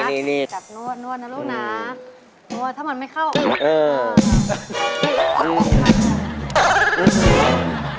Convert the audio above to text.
จับนวดนะลูกหนา